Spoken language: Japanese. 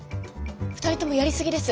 ２人ともやり過ぎです。